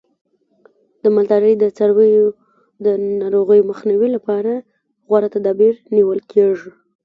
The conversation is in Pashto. د مالدارۍ د څارویو د ناروغیو مخنیوي لپاره غوره تدابیر نیول کېږي.